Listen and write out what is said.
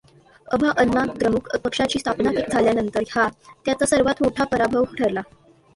अभाअण्णाद्रमुक पक्षाची स्थापना झाल्यानंतर हा त्याचा सर्वात मोठा पराभव ठरला.